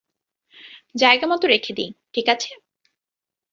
জায়গা মত রেখে দিই, ঠিক আছে?